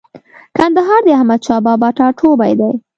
کندهار د احمدشاه بابا ټاټوبۍ دی.